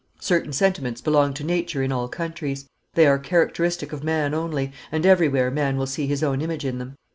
Certain sentiments belong to nature in all countries; they are characteristic of man only, and everywhere man will see his own image in them."